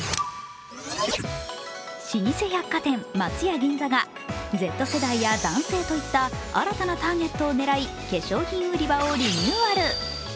老舗百貨店・松屋銀座がＺ世代や男性といった新たなターゲットを狙い、化粧品売り場をリニューアル。